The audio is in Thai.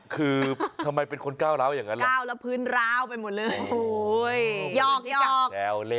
คือทำไมเป็นคนก้าวร้าวอย่างนั้นล่ะก้าวแล้วพื้นร้าวไปหมดเลย